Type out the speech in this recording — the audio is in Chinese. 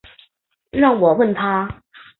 让我问他